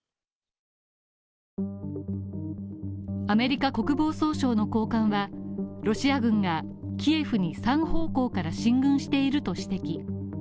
アメリカ国防総省の高官は、ロシア軍がキエフに３方向から進軍していると指摘。